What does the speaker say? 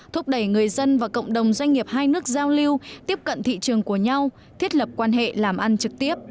thúc đẩy người dân và cộng đồng doanh nghiệp hai nước giao lưu tiếp cận thị trường của nhau thiết lập quan hệ làm ăn trực tiếp